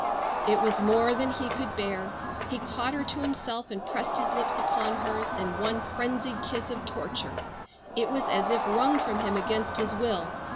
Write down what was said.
It was more than he could bear. He caught her to himself and pressed his lips upon hers in one frenzied kiss of torture. It was as if wrung from him against his will.